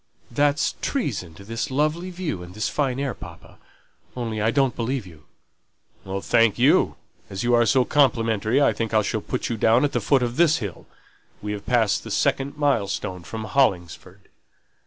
"That's treason to this lovely view and this fine pure air, papa. Only I don't believe you." "Thank you. As you are so complimentary, I think I shall put you down at the foot of this hill; we've passed the second mile stone from Hollingford."